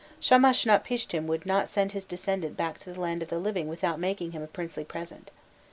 Shamashnapishtim would not send his descendant back to the land of the living without making him a princely present.